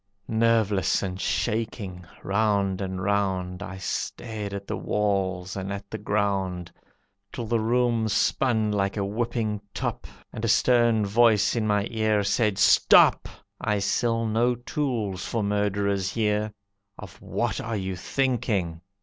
Nerveless and shaking, round and round, I stared at the walls and at the ground, Till the room spun like a whipping top, And a stern voice in my ear said, "Stop! I sell no tools for murderers here. Of what are you thinking!